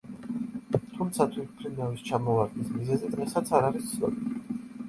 თუმცა თვითმფრინავის ჩამოვარდნის მიზეზი დღესაც არ არის ცნობილი.